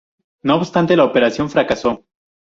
No obstante, la operación fracasó.